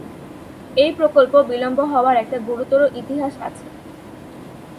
এই প্রকল্প বিলম্ব হওয়ার একটা গুরুতর ইতিহাস আছে।